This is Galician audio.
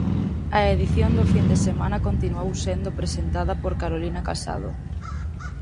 A edición do fin de semana continuou sendo presentada por Carolina Casado.